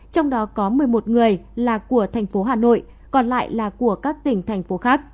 trong đó có một mươi một người là của thành phố hà nội còn lại là của các tỉnh thành phố khác